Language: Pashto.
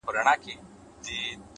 پوهه د انسان فکر ته ژورتیا وربښي’